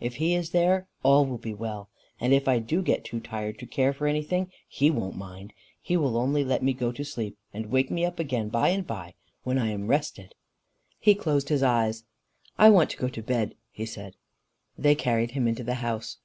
If he is there, all will be well. And if I do get too tired to care for anything, he won't mind; he will only let me go to sleep, and wake me up again by and by when I am rested." He closed his eyes. "I want to go to bed," he said. They carried him into the house.